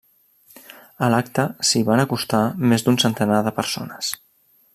A l’acte s’hi van acostar més d’un centenar de persones.